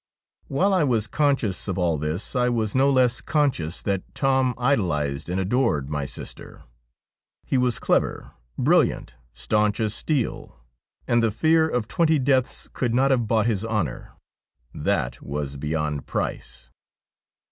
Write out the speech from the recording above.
"While I was conscious of all this I was no less conscious that Tom idolised and adored my sister. He was clever, brilliant, staunch as steel, and the fear of twenty deaths could not have bought his honour. That was beyond price.